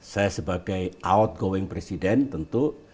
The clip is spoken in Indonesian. saya sebagai outgoing presiden tentu